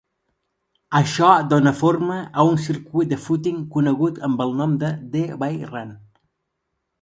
Això dona forma a un circuit de fúting conegut amb el nom de The Bay Run.